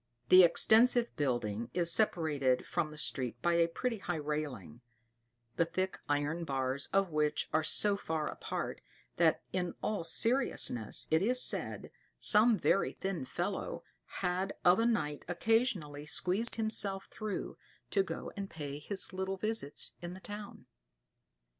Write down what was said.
The extensive building is separated from the street by a pretty high railing, the thick iron bars of which are so far apart, that in all seriousness, it is said, some very thin fellow had of a night occasionally squeezed himself through to go and pay his little visits in the town.